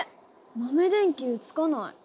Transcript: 豆電球つかない。